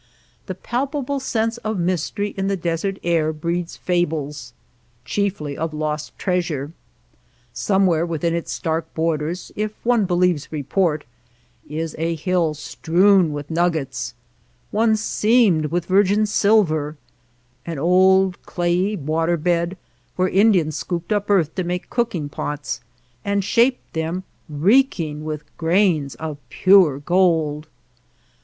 The palpable sense of mystery in the desert air breeds fables, chiefly of lost trea sure. Somewhere within its stark borders, if one believes report, is a hill strewn with nuggets ; one seamed with virgin silver ; an old clayey water bed where Indians scooped up earth to make cooking pots and shaped them reeking with grains of pure gold.